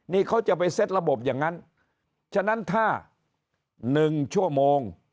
นี่เขาจะไปเซ็ตระบบอย่างนั้นฉะนั้นถ้า๑ชั่วโมง